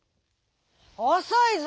「おそいぞ。